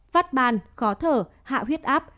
phát ban khó thở hạ huyết áp